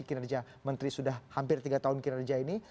kinerja menteri sudah hampir tiga tahun kinerja ini